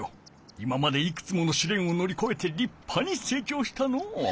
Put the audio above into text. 今までいくつものしれんをのりこえてりっぱに成長したのう！